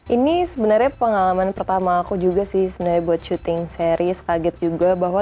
ini sebenarnya pengalaman pertama aku juga sih sebenarnya buat syuting series kaget juga bahwa